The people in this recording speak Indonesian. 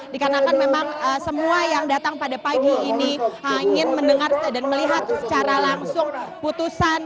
dikarenakan memang semua yang datang pada pagi ini ingin mendengar dan melihat secara langsung putusan